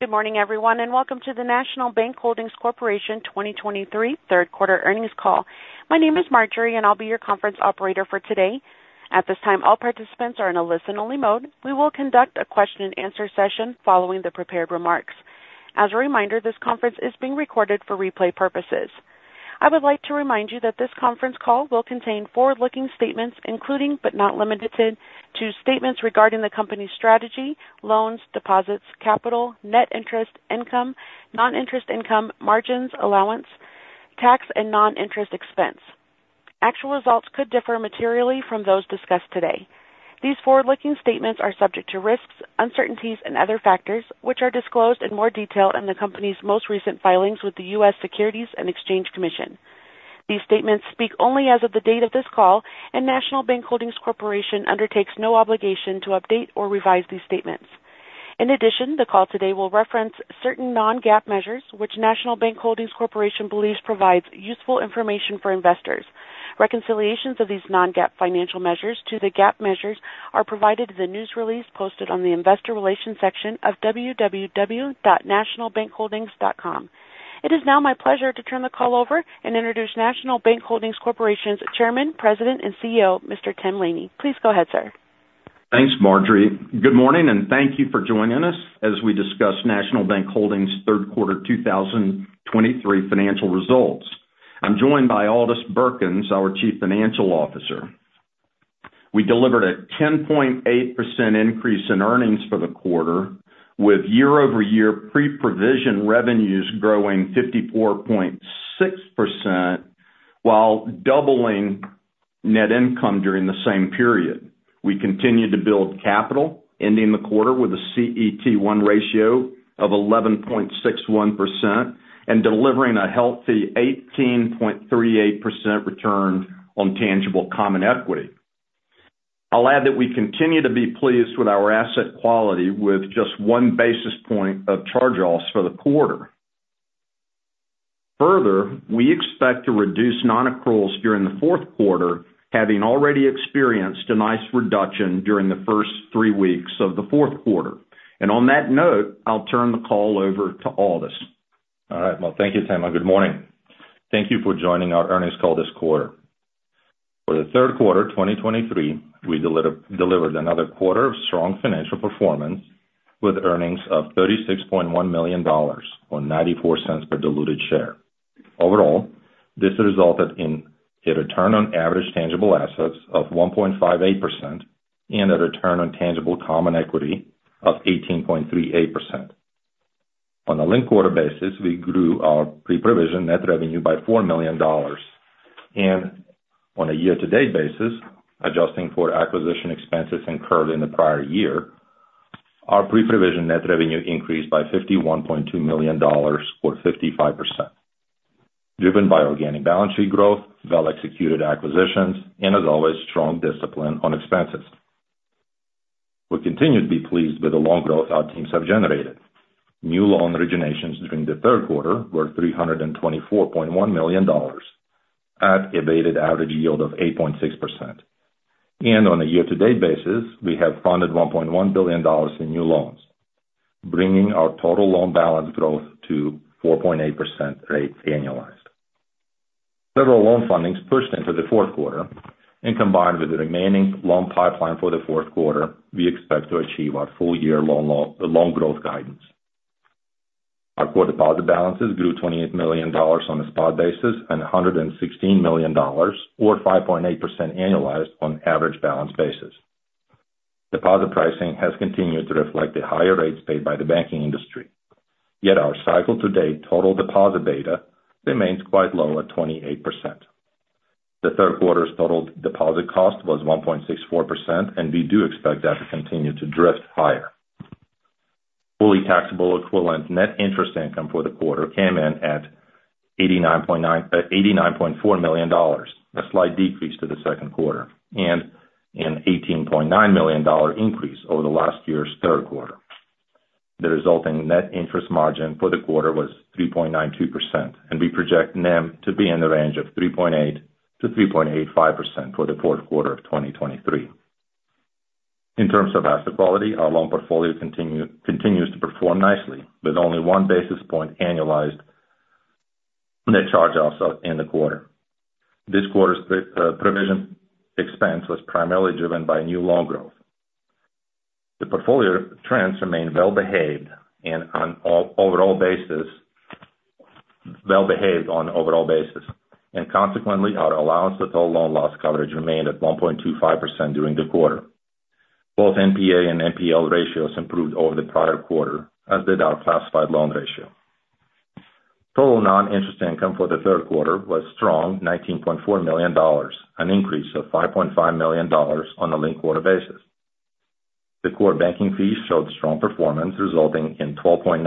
Good morning, everyone, and welcome to the National Bank Holdings Corporation 2023 Third Quarter Earnings Call. My name is Marjorie, and I'll be your conference operator for today. At this time, all participants are in a listen-only mode. We will conduct a question-and-answer session following the prepared remarks. As a reminder, this conference is being recorded for replay purposes. I would like to remind you that this conference call will contain forward-looking statements, including, but not limited to, statements regarding the company's strategy, loans, deposits, capital, net interest, income, non-interest income, margins, allowance, tax, and non-interest expense. Actual results could differ materially from those discussed today. These forward-looking statements are subject to risks, uncertainties, and other factors, which are disclosed in more detail in the company's most recent filings with the U.S. Securities and Exchange Commission. These statements speak only as of the date of this call, and National Bank Holdings Corporation undertakes no obligation to update or revise these statements. In addition, the call today will reference certain non-GAAP measures, which National Bank Holdings Corporation believes provides useful information for investors. Reconciliations of these non-GAAP financial measures to the GAAP measures are provided in the news release posted on the investor relations section of www.nationalbankholdings.com. It is now my pleasure to turn the call over and introduce National Bank Holdings Corporation's Chairman, President, and CEO, Mr. Tim Laney. Please go ahead, sir. Thanks, Marjorie. Good morning, and thank you for joining us as we discuss National Bank Holdings' third quarter 2023 financial results. I'm joined by Aldis Birkans, our Chief Financial Officer. We delivered a 10.8% increase in earnings for the quarter, with year-over-year pre-provision revenues growing 54.6%, while doubling net income during the same period. We continued to build capital, ending the quarter with a CET1 ratio of 11.61% and delivering a healthy 18.38% return on tangible common equity. I'll add that we continue to be pleased with our asset quality, with just 1 basis point of charge-offs for the quarter. Further, we expect to reduce nonaccruals during the fourth quarter, having already experienced a nice reduction during the first three weeks of the fourth quarter. On that note, I'll turn the call over to Aldis. All right. Well, thank you, Tim, and good morning. Thank you for joining our earnings call this quarter. For the third quarter of 2023, we delivered another quarter of strong financial performance with earnings of $36.1 million, or $0.94 per diluted share. Overall, this resulted in a return on average tangible assets of 1.58% and a return on tangible common equity of 18.38%. On a linked quarter basis, we grew our pre-provision net revenue by $4 million, and on a year-to-date basis, adjusting for acquisition expenses incurred in the prior year, our pre-provision net revenue increased by $51.2 million, or 55%, driven by organic balance sheet growth, well-executed acquisitions, and, as always, strong discipline on expenses. We continue to be pleased with the loan growth our teams have generated. New loan originations during the third quarter were $324.1 million at a weighted average yield of 8.6%. On a year-to-date basis, we have funded $1.1 billion in new loans, bringing our total loan balance growth to 4.8% rate annualized. Several loan fundings pushed into the fourth quarter, and combined with the remaining loan pipeline for the fourth quarter, we expect to achieve our full-year loan growth guidance. Our core deposit balances grew $28 million on a spot basis and $116 million, or 5.8% annualized on average balance basis. Deposit pricing has continued to reflect the higher rates paid by the banking industry, yet our cycle-to-date total deposit beta remains quite low at 28%. The third quarter's total deposit cost was 1.64%, and we do expect that to continue to drift higher. Fully taxable equivalent net interest income for the quarter came in at 89.9-- $89.4 million, a slight decrease to the second quarter and an $18.9 million increase over the last year's third quarter. The resulting net interest margin for the quarter was 3.92%, and we project NIM to be in the range of 3.8%-3.85% for the fourth quarter of 2023. In terms of asset quality, our loan portfolio continues to perform nicely, with only 1 basis point annualized net charge-offs in the quarter. This quarter's pre-provision expense was primarily driven by new loan growth. The portfolio trends remain well behaved, and on an overall basis... well behaved on an overall basis, and consequently, our allowance for total loan loss coverage remained at 1.25% during the quarter. Both NPA and NPL ratios improved over the prior quarter, as did our classified loan ratio. Total non-interest income for the third quarter was strong, $19.4 million, an increase of $5.5 million on a linked quarter basis. The core banking fees showed strong performance, resulting in 12.9%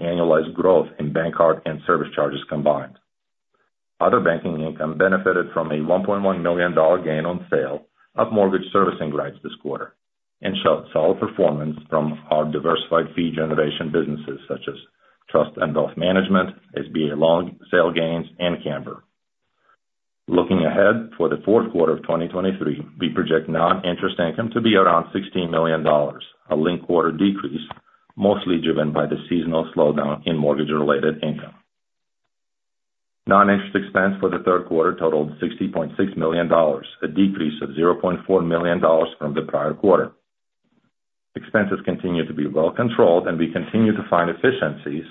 annualized growth in bank card and service charges combined. Other banking income benefited from a $1.1 million gain on sale of mortgage servicing rights this quarter and showed solid performance from our diversified fee generation businesses such as trust and wealth management, SBA loan sale gains, and Cambr. Looking ahead for the fourth quarter of 2023, we project non-interest income to be around $16 million, a linked quarter decrease, mostly driven by the seasonal slowdown in mortgage-related income. Non-interest expense for the third quarter totaled $60.6 million, a decrease of $0.4 million from the prior quarter. Expenses continue to be well controlled, and we continue to find efficiencies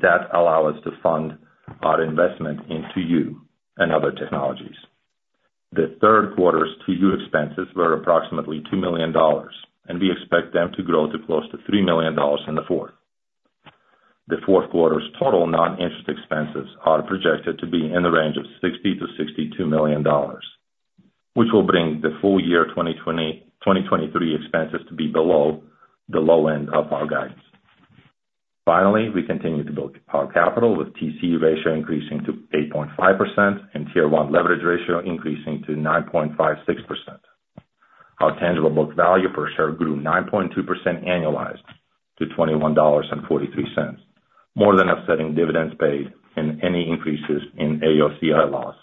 that allow us to fund our investment into 2U and other technologies. The third quarter's 2U expenses were approximately $2 million, and we expect them to grow to close to $3 million in the fourth. The fourth quarter's total non-interest expenses are projected to be in the range of $60 million-$62 million, which will bring the full year 2023 expenses to be below the low end of our guidance. Finally, we continue to build our capital, with TCE ratio increasing to 8.5% and Tier 1 leverage ratio increasing to 9.56%. Our tangible book value per share grew 9.2% annualized to $21.43, more than offsetting dividends paid and any increases in AOCI loss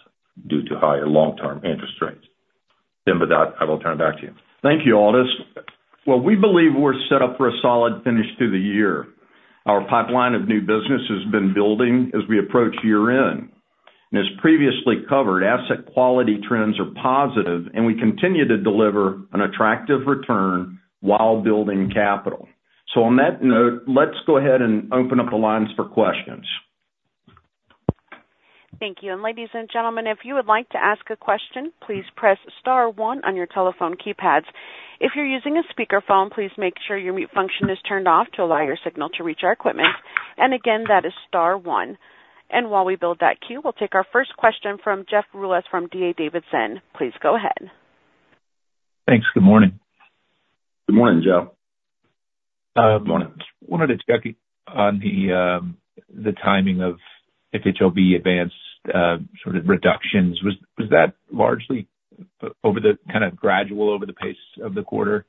due to higher long-term interest rates. Tim, with that, I will turn it back to you. Thank you, Aldis. Well, we believe we're set up for a solid finish to the year. Our pipeline of new business has been building as we approach year-end. As previously covered, asset quality trends are positive, and we continue to deliver an attractive return while building capital. On that note, let's go ahead and open up the lines for questions. Thank you. Ladies and gentlemen, if you would like to ask a question, please press star one on your telephone keypads. If you're using a speakerphone, please make sure your mute function is turned off to allow your signal to reach our equipment. Again, that is star one. While we build that queue, we'll take our first question from Jeff Rulis from D.A. Davidson. Please go ahead. Thanks. Good morning. Good morning, Jeff. Good morning. Wanted to check on the timing of FHLB advance sort of reductions. Was that largely over the kind of gradual over the pace of the quarter?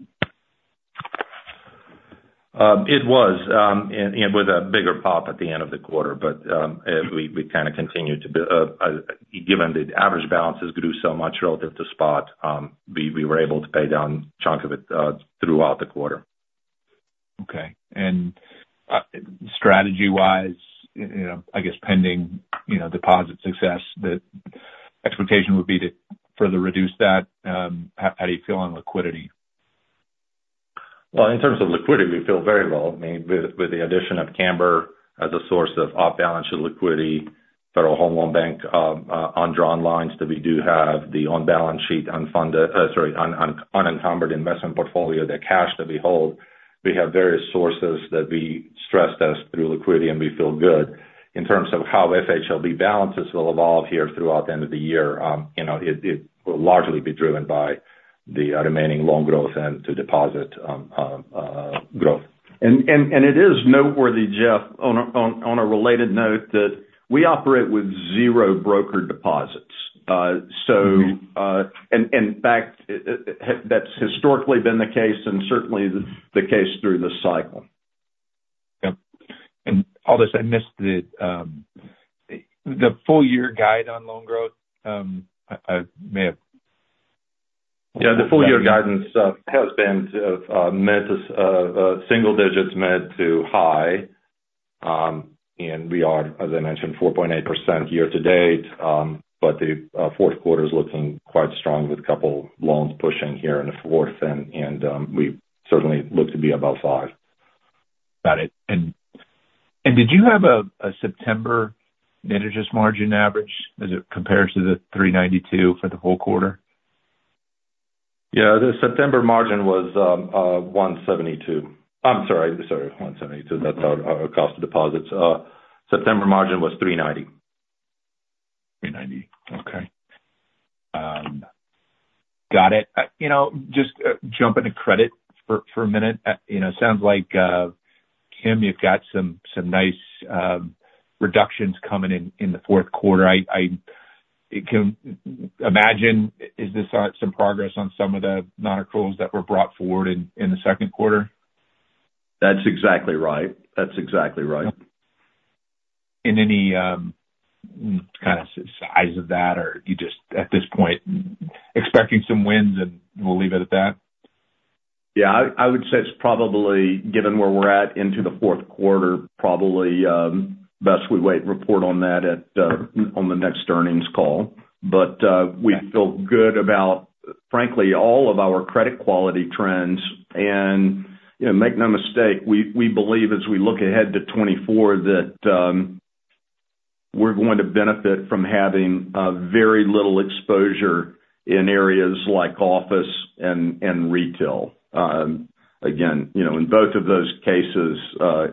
It was, and with a bigger pop at the end of the quarter. But, as we kind of continued to build, given the average balances grew so much relative to spot, we were able to pay down a chunk of it, throughout the quarter. Okay. And, strategy-wise, you know, I guess pending, you know, deposit success, the expectation would be to further reduce that. How do you feel on liquidity? Well, in terms of liquidity, we feel very well. I mean, with the addition of Camber as a source of off-balance sheet liquidity, Federal Home Loan Bank, undrawn lines that we do have, the on-balance sheet, unfunded, unencumbered investment portfolio, the cash that we hold, we have various sources that we stress test through liquidity, and we feel good. In terms of how FHLB balances will evolve here throughout the end of the year, you know, it will largely be driven by the remaining loan growth and to deposit growth. It is noteworthy, Jeff, on a related note, that we operate with zero broker deposits. So- Mm-hmm. In fact, that's historically been the case and certainly the case through this cycle. Yep. And Aldis, I missed the full-year guide on loan growth. I may have- Yeah, the full year guidance has been mid- to high-single digits. And we are, as I mentioned, 4.8% year to date, but the fourth quarter is looking quite strong, with a couple loans pushing here in the fourth, and we certainly look to be above 5%. Got it. And did you have a September net interest margin average as it compares to the 3.92% for the whole quarter? Yeah, the September margin was 172. I'm sorry, 172, that's our cost of deposits. September margin was 390. Three ninety, okay. Got it. You know, just jumping to credit for a minute. You know, sounds like, Tim, you've got some nice reductions coming in the fourth quarter. I can imagine, is this some progress on some of the nonaccruals that were brought forward in the second quarter? That's exactly right. That's exactly right. In any kind of size of that, or you just, at this point, expecting some wins and we'll leave it at that? Yeah, I would say it's probably, given where we're at into the fourth quarter, probably best we wait to report on that at on the next earnings call. But we feel good about, frankly, all of our credit quality trends. And you know, make no mistake, we believe as we look ahead to 2024, that we're going to benefit from having very little exposure in areas like office and retail. Again, you know, in both of those cases,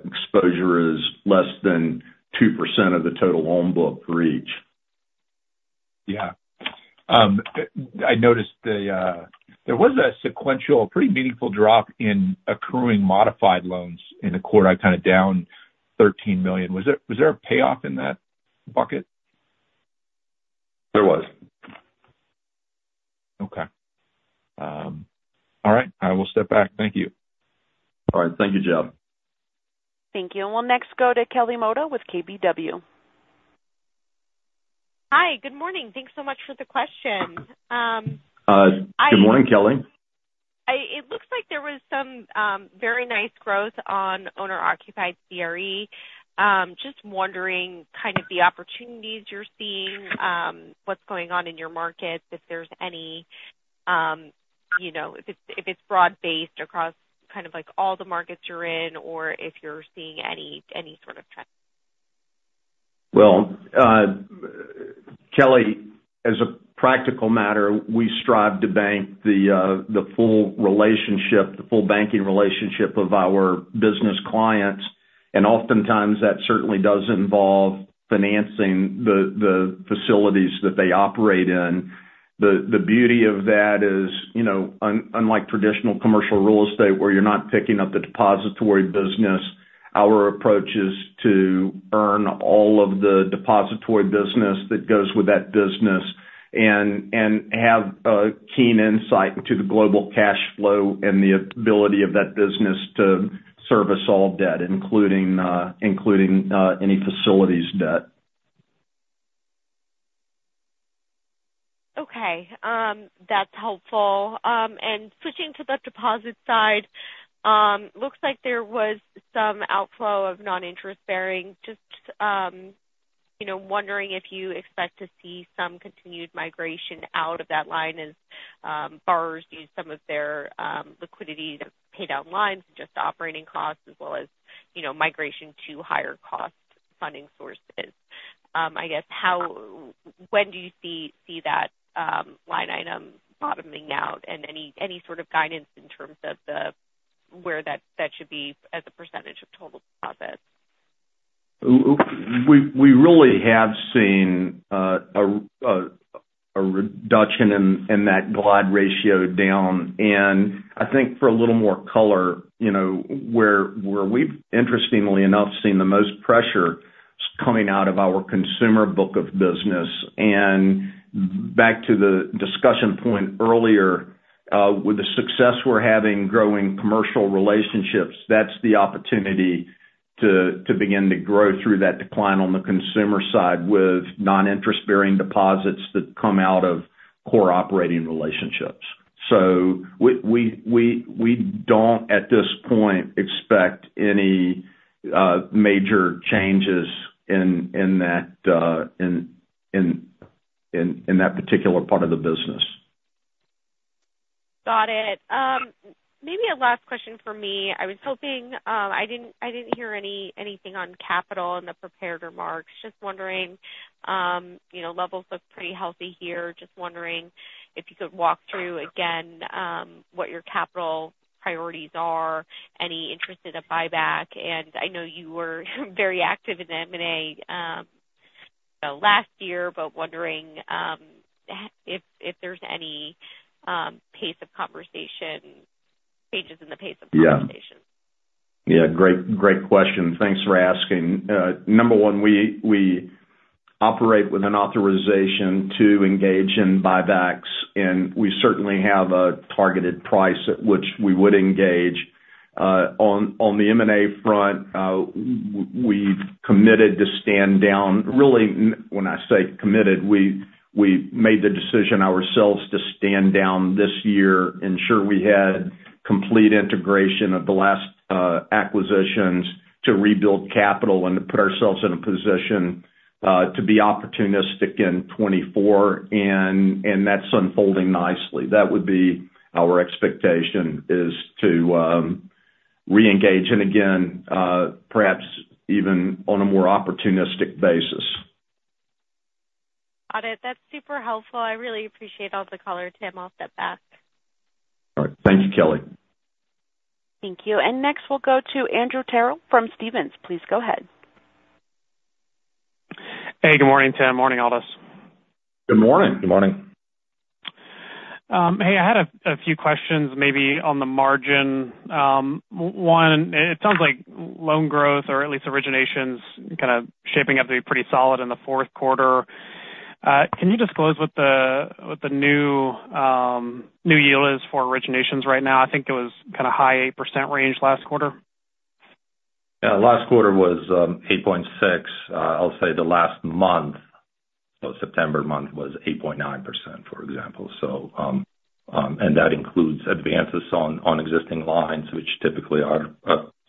exposure is less than 2% of the total loan book for each. Yeah. I noticed there was a sequential, pretty meaningful drop in accruing modified loans in the quarter, kind of down $13 million. Was there, was there a payoff in that bucket? There was. Okay. All right, I will step back. Thank you. All right. Thank you, Jeff. Thank you. We'll next go to Kelly Motta with KBW. Hi, good morning. Thanks so much for the question. Good morning, Kelly. It looks like there was some very nice growth on owner-occupied CRE. Just wondering, kind of the opportunities you're seeing, what's going on in your markets, if there's any, you know, if it's, if it's broad-based across, kind of like all the markets you're in, or if you're seeing any, any sort of trend? Well, Kelly, as a practical matter, we strive to bank the full relationship, the full banking relationship of our business clients, and oftentimes that certainly does involve financing the facilities that they operate in. The beauty of that is, you know, unlike traditional commercial real estate, where you're not picking up the depository business, our approach is to earn all of the depository business that goes with that business and have a keen insight into the global cash flow and the ability of that business to service all debt, including any facilities debt. Okay, that's helpful. And switching to the deposit side, looks like there was some outflow of non-interest bearing. Just, you know, wondering if you expect to see some continued migration out of that line as borrowers use some of their liquidity to pay down lines and just operating costs as well as, you know, migration to higher cost funding sources. I guess how, when do you see that line item bottoming out and any sort of guidance in terms of the, where that should be as a percentage of total profits? Ooh, we really have seen a reduction in that glide ratio down. And I think for a little more color, you know, where we've interestingly enough seen the most pressure is coming out of our consumer book of business. And back to the discussion point earlier, with the success we're having growing commercial relationships, that's the opportunity to begin to grow through that decline on the consumer side with non-interest bearing deposits that come out of core operating relationships. So we don't, at this point, expect any major changes in that particular part of the business. Got it. Maybe a last question for me. I was hoping, I didn't hear anything on capital in the prepared remarks. Just wondering, you know, levels look pretty healthy here. Just wondering if you could walk through again what your capital priorities are, any interest in a buyback. And I know you were very active in M&A last year, but wondering if there's any pace of conversation, changes in the pace of conversation. Yeah. Yeah, great, great question. Thanks for asking. Number one, we operate with an authorization to engage in buybacks, and we certainly have a targeted price at which we would engage. On the M&A front, we've committed to stand down. Really, when I say committed, we made the decision ourselves to stand down this year, ensure we had complete integration of the last acquisitions to rebuild capital and to put ourselves in a position to be opportunistic in 2024, and that's unfolding nicely. That would be our expectation, is to reengage, and again, perhaps even on a more opportunistic basis. Got it. That's super helpful. I really appreciate all the color, Tim. I'll step back. All right. Thank you, Kelly. Thank you. Next, we'll go to Andrew Terrell from Stephens. Please go ahead. Hey, good morning, Tim. Morning, Aldis. Good morning. Good morning. Hey, I had a few questions maybe on the margin. One, it sounds like loan growth or at least originations, kind of shaping up to be pretty solid in the fourth quarter. Can you disclose what the new yield is for originations right now? I think it was kind of high 8% range last quarter. Yeah, last quarter was 8.6. I'll say the last month, so September month, was 8.9%, for example. So, and that includes advances on existing lines, which typically are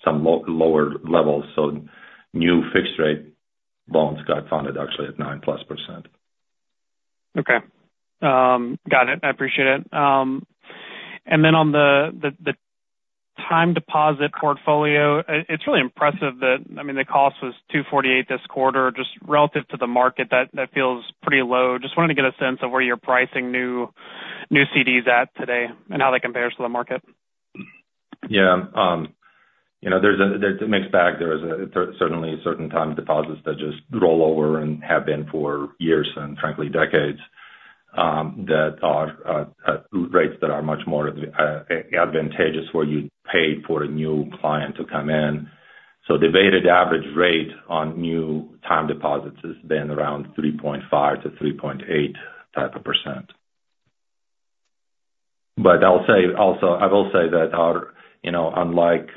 some lower levels. So new fixed rate loans got funded actually at 9%+. Okay. Got it. I appreciate it. And then on the time deposit portfolio, it's really impressive that, I mean, the cost was 2.48% this quarter. Just relative to the market, that feels pretty low. Just wanted to get a sense of where you're pricing new CDs at today and how that compares to the market. Yeah. You know, there's a mixed bag. There's certainly certain time deposits that just roll over and have been for years, and frankly, decades, that are rates that are much more advantageous where you pay for a new client to come in. So the weighted average rate on new time deposits has been around 3.5% to 3.8% type of. But I'll say also, I will say that our, you know, unlike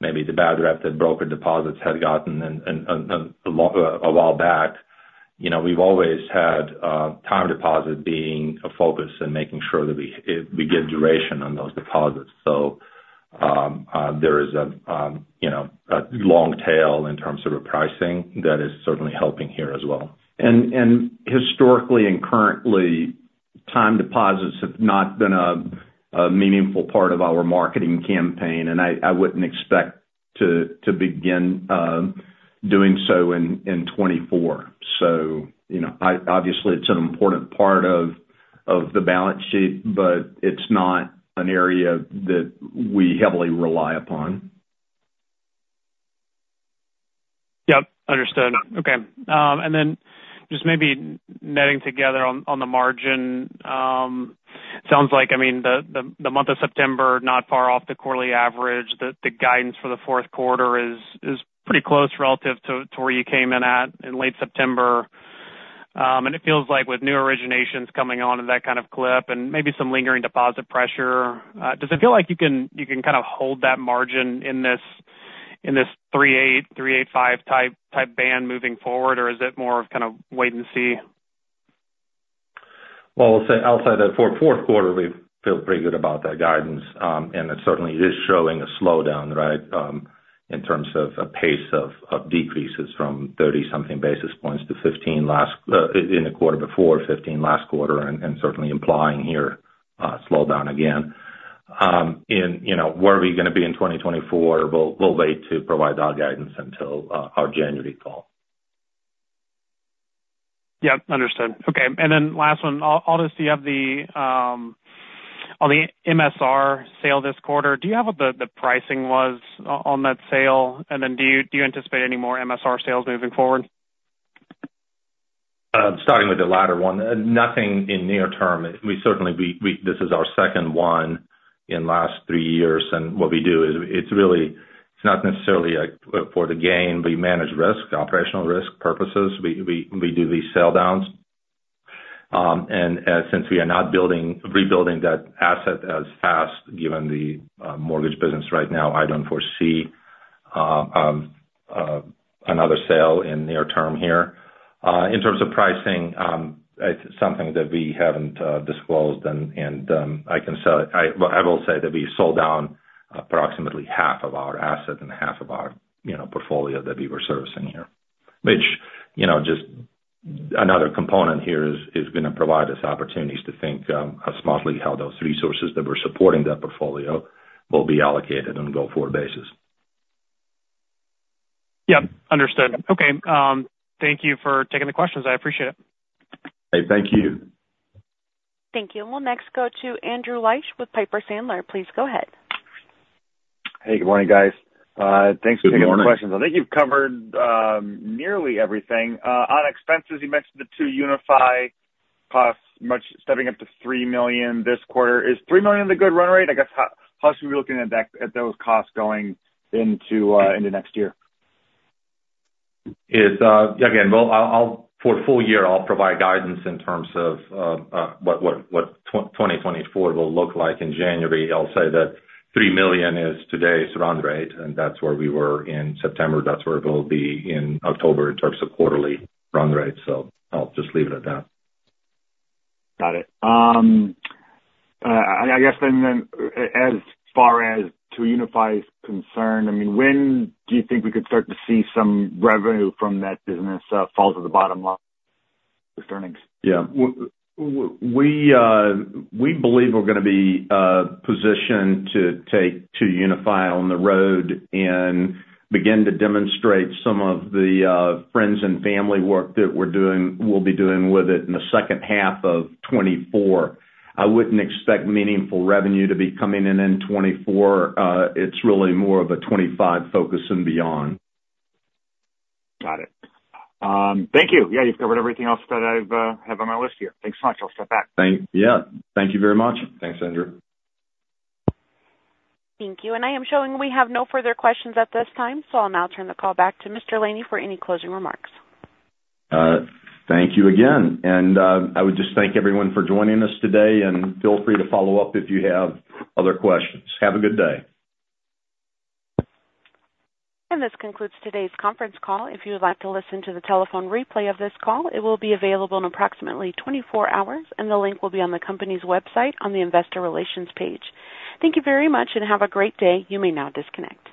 maybe the bad rep that broker deposits had gotten and a long while back, you know, we've always had time deposit being a focus and making sure that we get duration on those deposits. So there is a, you know, a long tail in terms of the pricing that is certainly helping here as well. Historically and currently, time deposits have not been a meaningful part of our marketing campaign, and I wouldn't expect to begin doing so in 2024. So, you know, I obviously, it's an important part of the balance sheet, but it's not an area that we heavily rely upon. Yep, understood. Okay. And then just maybe netting together on the margin. Sounds like, I mean, the month of September not far off the quarterly average. The guidance for the fourth quarter is pretty close relative to where you came in at in late September. And it feels like with new originations coming on at that kind of clip and maybe some lingering deposit pressure, does it feel like you can kind of hold that margin in this 3.8-3.85 type band moving forward? Or is it more of kind of wait and see? Well, I'll say, I'll say that for fourth quarter, we feel pretty good about that guidance. And it certainly is showing a slowdown, right, in terms of a pace of, of decreases from 30-something basis points to 15 last, in the quarter before, 15 last quarter, and, and certainly implying here, slowdown again. And, you know, where are we going to be in 2024? We'll, we'll wait to provide our guidance until, our January call. Yep, understood. Okay, and then last one. Obviously, you have the, on the MSR sale this quarter, do you have what the pricing was on that sale? And then do you anticipate any more MSR sales moving forward? Starting with the latter one, nothing in near term. We certainly—this is our second one in last three years, and what we do is it's really, it's not necessarily, like, for the gain, we manage risk, operational risk purposes. We do these sell downs. And since we are not building, rebuilding that asset as fast, given the mortgage business right now, I don't foresee another sale in near term here. In terms of pricing, it's something that we haven't disclosed, and I can say, well, I will say that we sold down approximately half of our assets and half of our, you know, portfolio that we were servicing here, which, you know, just another component here is going to provide us opportunities to think smartly how those resources that were supporting that portfolio will be allocated on a go-forward basis. Yep, understood. Okay, thank you for taking the questions. I appreciate it. Hey, thank you. Thank you. We'll next go to Andrew Liesch with Piper Sandler. Please go ahead. Hey, good morning, guys. Thanks for taking the questions. Good morning. I think you've covered nearly everything. On expenses, you mentioned the 2UniFi costs, much stepping up to $3 million this quarter. Is $3 million the good run rate? I guess, how should we be looking at that, at those costs going into into next year? It's again, well, I'll... For full year, I'll provide guidance in terms of what 2024 will look like in January. I'll say that $3 million is today's run rate, and that's where we were in September. That's where it will be in October in terms of quarterly run rate, so I'll just leave it at that. Got it. As far as 2UniFi is concerned, I mean, when do you think we could start to see some revenue from that business fall to the bottom line with earnings? Yeah. We believe we're going to be positioned to take 2UniFi on the road and begin to demonstrate some of the friends and family work that we're doing, we'll be doing with it in the second half of 2024. I wouldn't expect meaningful revenue to be coming in in 2024. It's really more of a 2025 focus and beyond. Got it. Thank you. Yeah, you've covered everything else that I've have on my list here. Thanks so much. I'll step back. Thank you. Yeah, thank you very much. Thanks, Andrew. Thank you. I am showing we have no further questions at this time, so I'll now turn the call back to Mr. Laney for any closing remarks. Thank you again, and I would just thank everyone for joining us today, and feel free to follow up if you have other questions. Have a good day. This concludes today's conference call. If you would like to listen to the telephone replay of this call, it will be available in approximately 24 hours, and the link will be on the company's website on the Investor Relations page. Thank you very much and have a great day. You may now disconnect.